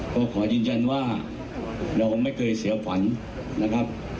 ก็ขอยืนยันว่าเราไม่เคยเสียขวัญนะครับ